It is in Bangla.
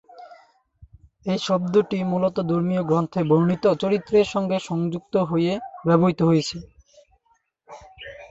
এই শব্দটি মূলত ধর্মীয় গ্রন্থে বর্ণিত চরিত্রের সাথে যুক্ত হয়ে ব্যবহৃত হয়েছে।